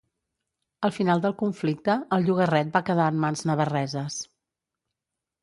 Al final del conflicte el llogarret va quedar en mans navarreses.